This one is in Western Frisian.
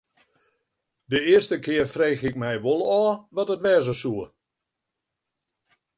De earste kear frege ik my wol ôf wat it wêze soe.